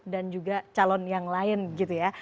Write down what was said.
dan juga calon yang lain gitu ya